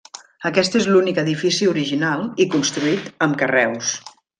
Aquest és l'únic edifici original i construït amb carreus.